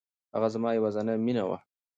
هغه زما يوازينی مینه وه.